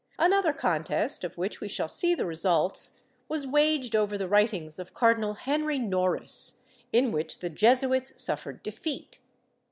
^ Another contest, of which we shall see the results, was waged over the writings of Cardinal Henry Noris, in which the Jesuits suffered defeat.